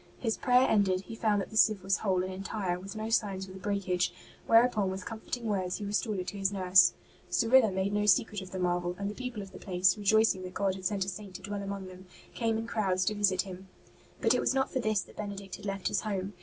His prayer ended, he found that the sieve was whole and entire, with no sign of the breakage, whereupon with comforting words he restored it to his nurse. Cyrilla made no secret of the marvel, and the people of the place, rejoicing that God had sent a Saint to dwell among them, came in crowds to visit him. But it was not for this that Benedict had left his home.